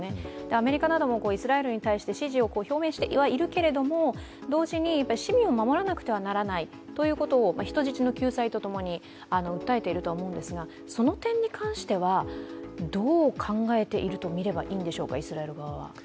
アメリカなどもイスラエルに対して支持を表明をしてますけれども同時に市民を守らなくてはならないということを、人質の救済とともに訴えているとは思うんですが、その点に関しては、どう考えているとみればいいんでしょうか、イスラエル側は。